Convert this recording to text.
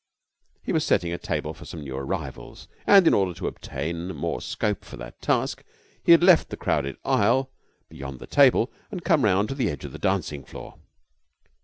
He was setting a table for some new arrivals, and in order to obtain more scope for that task he had left the crowded aisle beyond the table and come round to the edge of the dancing floor.